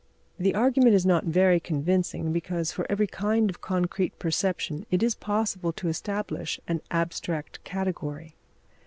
The argument is not very convincing, because, for every kind of concrete perception it is possible to establish an abstract category.